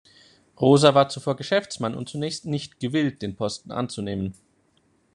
Rosa war zuvor Geschäftsmann und zunächst nicht gewillt, den Posten anzunehmen.